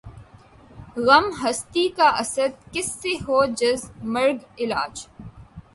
غم ہستی کا اسدؔ کس سے ہو جز مرگ علاج